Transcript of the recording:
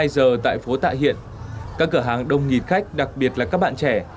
hai mươi giờ tại phố tạ hiện các cửa hàng đông nghỉ khách đặc biệt là các bạn trẻ